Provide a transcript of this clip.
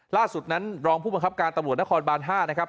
ล่าสุดนั้นรองผู้บังคับการตำรวจนครบาน๕นะครับ